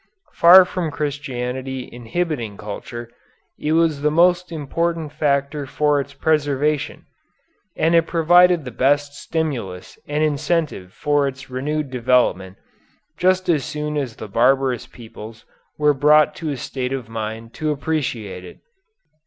Far from Christianity inhibiting culture, it was the most important factor for its preservation, and it provided the best stimulus and incentive for its renewed development just as soon as the barbarous peoples were brought to a state of mind to appreciate it.